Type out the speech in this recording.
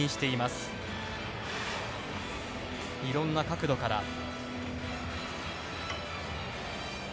いろんな角度から。